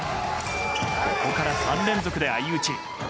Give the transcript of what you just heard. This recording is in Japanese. ここから３連続で相打ち。